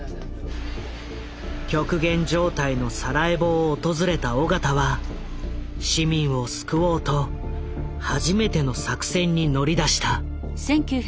極限状態のサラエボを訪れた緒方は市民を救おうと初めての作戦に乗り出した。